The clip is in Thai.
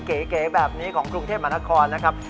เก๋แบบนี้ของกรุงเทพมหานครนะครับ